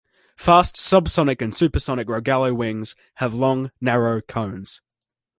Fast subsonic and supersonic Rogallo wings have long, narrow cones.